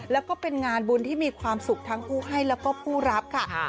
แล้วก็เป็นงานบุญที่มีความสุขทั้งผู้ให้แล้วก็ผู้รับค่ะ